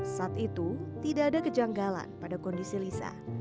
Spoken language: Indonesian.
saat itu tidak ada kejanggalan pada kondisi lisa